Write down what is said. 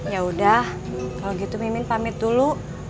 ya udah kalau gitu mimin pamit dulu